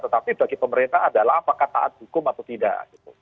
tetapi bagi pemerintah adalah apakah taat hukum atau tidak